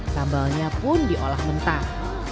sambalnya pun diolah mentah